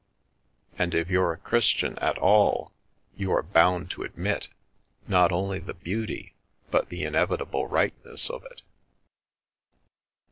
And if you're a Christian at all, you are bound to admit, not only the beauty, but the inevitable Tightness of it."